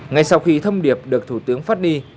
ngay sau khi thông điệp được thủ tướng phát đi